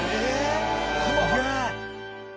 すげえ！